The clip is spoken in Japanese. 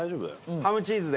ハムチーズで。